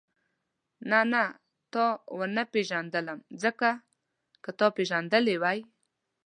نه نه تا ونه پېژندلم ځکه که تا پېژندلې وای.